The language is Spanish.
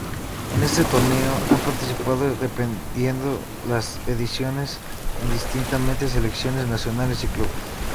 En este torneo han participado, dependiendo las ediciones, indistintamente selecciones nacionales y clubes.